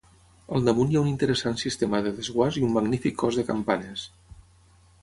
Al damunt hi ha un interessant sistema de desguàs i un magnífic cos de campanes.